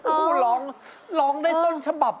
โอ้โฮร้องได้ต้นฉบับมาก